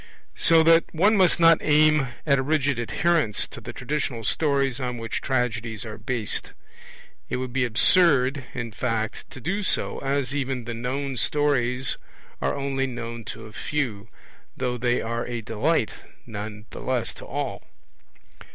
So that one must not aim at a rigid adherence to the traditional stories on which tragedies are based. It would be absurd, in fact, to do so, as even the known stories are only known to a few, though they are a delight none the less to all.